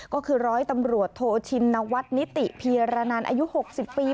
ก็คือร้อยตำรวจโทชินวัฒน์นิติเพียรนันอายุ๖๐ปี